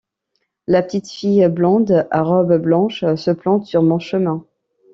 La petite fille blonde à robe blanche se plante sur mon chemin.